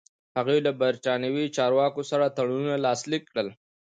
هغوی له برېټانوي چارواکو سره تړونونه لاسلیک کړل.